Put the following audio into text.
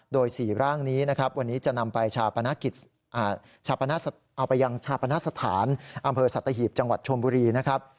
โดย๔ร่างนี้นะครับวันนี้จะนำไปยังชาปณสถานอำเภอสัตหีบจังหวัดชมบุรีนะครับ